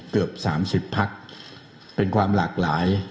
เกือบ๓๐พักเป็นความหลากหลาย